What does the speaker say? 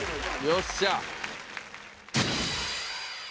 よっしゃ